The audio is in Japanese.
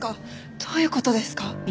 どういう事ですか？